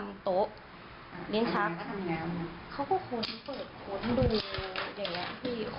ทำยังไงแล้วทำยังไงบ้างเขาก็ค้นเปิดค้นดูอย่างนี้